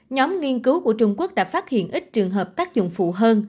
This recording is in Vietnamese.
nhóm nghiên cứu của trung quốc đã phát hiện ít trường hợp tác dụng phụ hơn